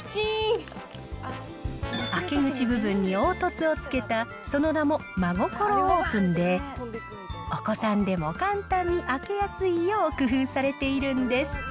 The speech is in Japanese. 開け口部分に凹凸をつけた、その名も、まごころオープンで、お子さんでも簡単に開けやすいよう工夫されているんです。